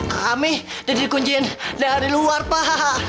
kami udah di kunciin dari luar pak